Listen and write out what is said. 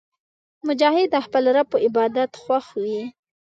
مجاهد د خپل رب په عبادت خوښ وي.